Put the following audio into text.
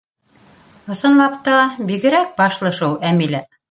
— Ысынлап та, бигерәк башлы шул Әмилә.